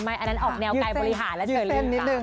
ไม่อันนั้นออกแนวกายบริหารแล้วเจอเรื่อง